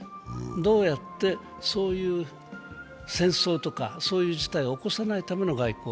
どうやって、戦争とかそういう事態を起こさないための外交。